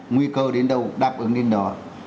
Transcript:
nguy cơ đến đâu đáp ứng đến đó